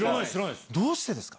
どうしてですか。